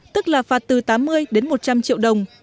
tức là phạt từ tám mươi đến một trăm linh triệu đồng